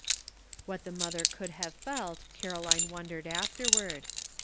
What the mother could hiive felt, Caroline wondered afterward.